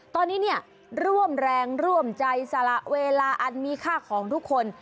ตอนนี้เนี่ยร่วมแรงร่วมใจสละเวลาอันมีค่าของทุกคน